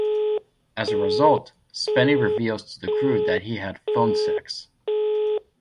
As a result, Spenny reveals to the crew that he had phone sex.